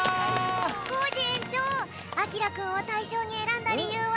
コージえんちょうあきらくんをたいしょうにえらんだりゆうは？